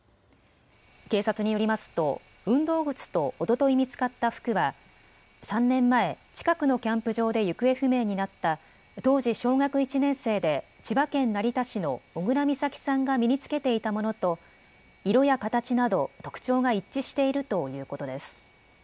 警察によりますと、運動靴とおととい見つかった服は、３年前、近くのキャンプ場で行方不明になった、当時小学１年生で千葉県成田市の小倉美咲さんが身に着けていたものと、色や形など特徴が一致しているということです。